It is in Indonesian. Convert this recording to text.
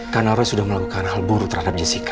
karena roy sudah melakukan hal buruk terhadap jessica